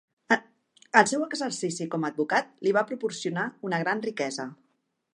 El seu exercici com a advocat li va proporcionar una gran riquesa.